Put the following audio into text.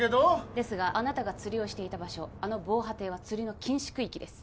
ですがあなたが釣りをしていた場所あの防波堤は釣りの禁止区域です